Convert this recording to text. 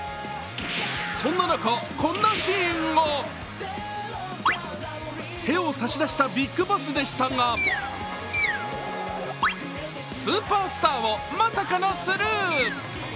そんな中、こんなシーンも。手を差し出したビッグボスでしたが、スーパースターをまさかのスルー。